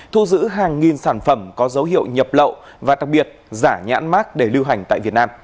thu giữ hàng nghìn sản phẩm có dấu hiệu nhập lậu và đặc biệt giả nhãn mát để lưu hành tại việt nam